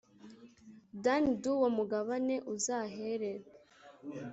dani d uwo mugabane uzahere